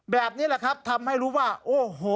แบบนี้แหละครับทำให้รู้ว่าโอ้โห